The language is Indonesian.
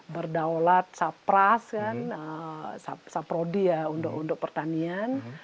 berdaulat sapras kan saprodi ya untuk pertanian